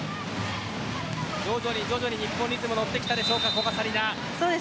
徐々に徐々に日本、リズム戻ってきたでしょうか古賀紗理那。